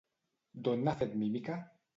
D'on n'ha fet mímica?